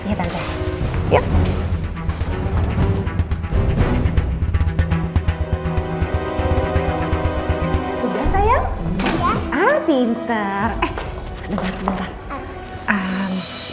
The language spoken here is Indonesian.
udah saya ah pinter eh sebentar sebentar